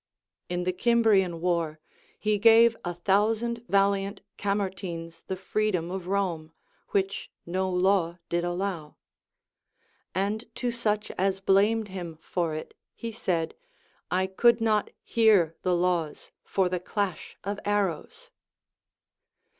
In the Cimbrian war, he gave a thousand valiant Camertines the freedom of Rome, which no law did allow ; and to such as blamed him for it he said, I could not hear the laws for the clash of arrows.